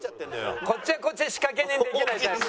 こっちはこっちで仕掛け人できないタイプ。